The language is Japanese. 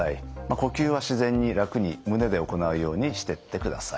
呼吸は自然に楽に胸で行うようにしてってください。